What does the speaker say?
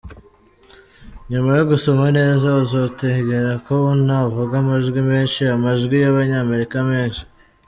Inyuma yo gusoma neza, uzotegera ko navuga amajwi mesnhi, amajwi y’abanyamerika benshi”.